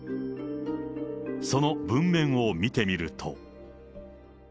その文面を見てみると。